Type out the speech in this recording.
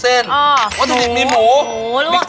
อ้าวใส่ไว้ให้หมดเลยปะ